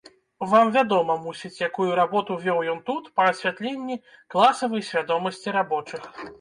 Вам вядома, мусіць, якую работу вёў ён тут па асвятленні класавай свядомасці рабочых.